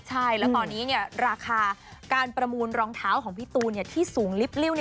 ใช่แล้วตอนนี้ราคาการประมูลรองเท้าของพี่ตูนที่สูงลิปริ้ว